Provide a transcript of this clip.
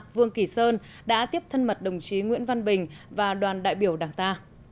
vương kỳ sơn đã tiếp thân mật đồng chí nguyễn văn bình và đoàn đại biểu đảng ta